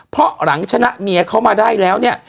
เพราะหลังชนะเมียเขามาได้แล้วเนี่ย